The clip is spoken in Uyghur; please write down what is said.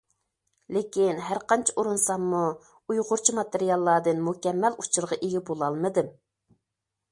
لېكىن، ھەرقانچە ئۇرۇنساممۇ، ئۇيغۇرچە ماتېرىياللاردىن مۇكەممەل ئۇچۇرغا ئىگە بولالمىدىم.